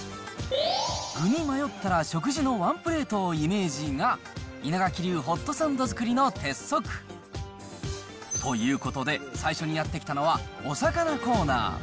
具に迷ったら、食事のワンプレートをイメージが、稲垣流ホットサンド作りの鉄則。ということで、最初にやって来たのは、お魚コーナー。